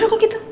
aduh kok gitu